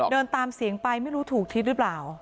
เดินตามเสียงไปไม่รู้ถูกทิศหรือเปล่า